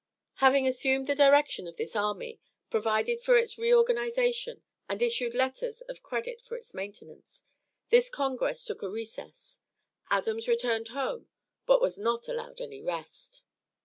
Having assumed the direction of this army, provided for its reorganization, and issued letters of credit for its maintenance, this congress took a recess. Adams returned home, but was not allowed any rest.